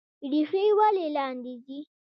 ریښې ولې لاندې ځي؟